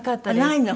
ないの？